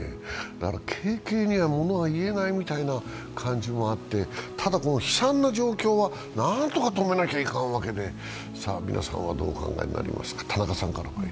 だから、軽々には物は言えないみたいな感じもあってただ、悲惨な状況はなんとか止めないといかんわけでさあ皆さんはどうお考えになりますか？